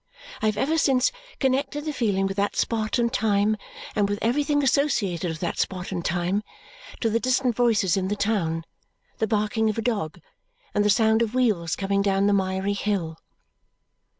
I have ever since connected the feeling with that spot and time and with everything associated with that spot and time, to the distant voices in the town, the barking of a dog, and the sound of wheels coming down the miry hill.